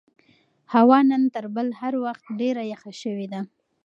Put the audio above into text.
هوا نن تر بل هر وخت ډېره یخه شوې ده.